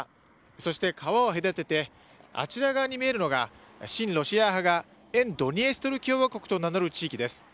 そして川を隔ててあちら側に見えるのが親ロシア派が沿ドニエストル共和国と名乗る地域です。